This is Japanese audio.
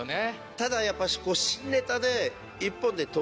ただやっぱしこう。